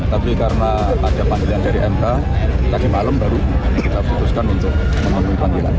tadi karena ada pandilan dari mk tadi malam baru kita putuskan untuk memulai pandilan